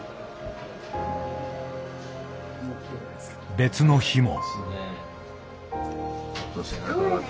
別の日も。